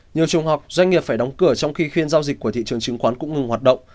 nhiều trường hợp doanh nghiệp phải đóng cửa trong khi phiên giao dịch của thị trường chứng khoán cũng ngừng hoạt động